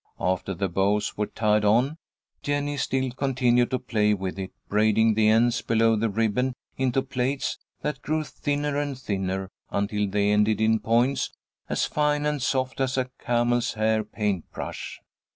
After the bows were tied on, Jennie still continued to play with it, braiding the ends below the ribbon into plaits that grew thinner and thinner, until they ended in points as fine and soft as a camel's hair paint brush.